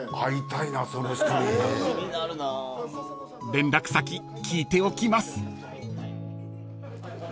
［連絡先聞いておきます］